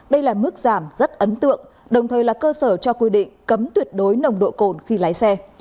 đây là mức giảm rất ấn tượng đồng thời là cơ sở cho quy định cấm tuyệt đối nồng độ cồn khi lái xe